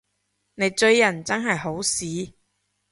你追人真係好屎